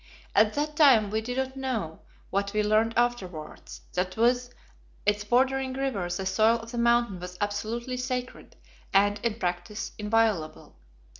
At that time we did not know what we learned afterwards, that with its bordering river the soil of the Mountain was absolutely sacred and, in practice, inviolable.